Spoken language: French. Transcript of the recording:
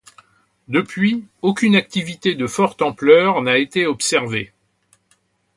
Depuis, aucune activité de forte ampleur n'a été observée.